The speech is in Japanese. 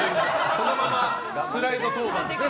そのままスライド登板ですね。